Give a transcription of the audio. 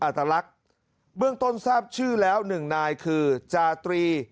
ตลักษณ์เบื้องต้นทราบชื่อแล้วหนึ่งนายคือจาตรี